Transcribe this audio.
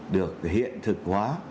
được hiện thực hóa